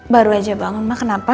baru aja bangun mah kenapa